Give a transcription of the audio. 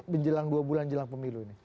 menjelang dua bulan jelang pemilu ini